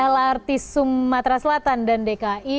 lrt sumatera selatan dan dki